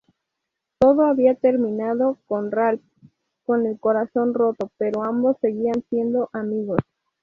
Todo había terminado con Ralph con el corazón roto, pero ambos seguían siendo amigos.